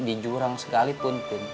di jurang segalipun tin